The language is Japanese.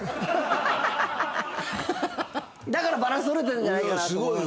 だからバランス取れてるんじゃないかなと。